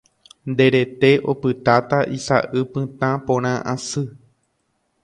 nde rete opytáta isa'y pytã porã asy.